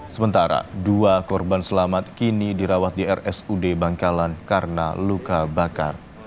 sementara dua korban selamat kini dirawat di rsud bangkalan karena luka bakar